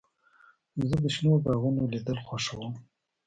زه د شنو باغونو لیدل خوښوم.